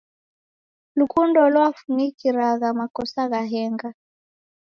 Lukundo lwafunikiragha makosa gha henga.